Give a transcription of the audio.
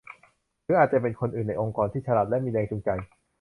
หรืออาจจะเป็นคนอื่นในองค์กรที่ฉลาดและมีแรงจูงใจ